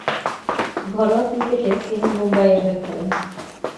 ঘরোয়া ক্রিকেটে তিনি মুম্বইয়ের হয়ে খেলেন।